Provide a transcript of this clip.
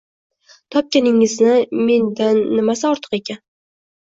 Topganingizni mendan nimasi ortiq ekan